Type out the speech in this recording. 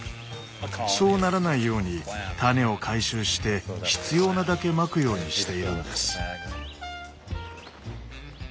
そうならないように種を回収して必要なだけまくようにしているんです。